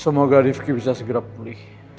semoga rifki bisa segera pulih